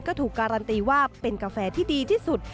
ก็ถูกการันตีว่าเป็นกาแฟที่ดีที่สุด